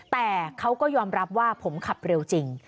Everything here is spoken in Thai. แต่เขาก็ยอมรับว่าผมขับเร็วจริง